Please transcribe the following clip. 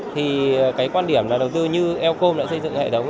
thì cái quan điểm là đầu tư như elcom đã xây dựng hệ thống